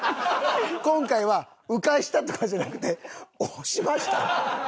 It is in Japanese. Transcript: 今回は迂回したとかじゃなくて押しました。